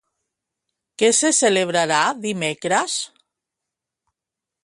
Què se celebrarà dimecres?